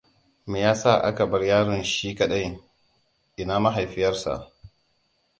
Me ya sa aka bar yaron shi kaɗai? Ina mahaifiyarsa?